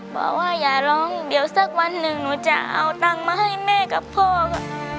บอกว่าอย่าร้องเดี๋ยวสักวันหนึ่งหนูจะเอาตังค์มาให้แม่กับพ่อค่ะ